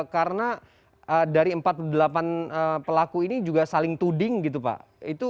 karena dari empat puluh delapan pelaku ini juga saling tuding gitu pak